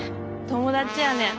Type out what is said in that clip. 友達やん！